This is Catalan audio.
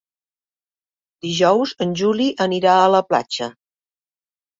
Dijous en Juli anirà a la platja.